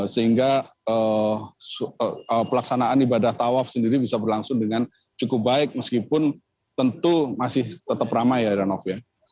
sehingga pelaksanaan ibadah tawaf sendiri bisa berlangsung dengan cukup baik meskipun tentu masih tetap ramai ya heranov ya